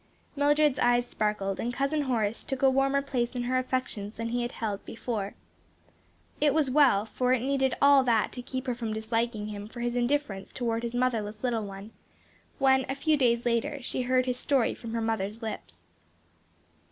Mildred's eyes sparkled, and cousin Horace took a warmer place in her affections than he had held before. It was well, for it needed all that to keep her from disliking him for his indifference toward his motherless little one, when, a few days later, she heard his story from her mother's lips.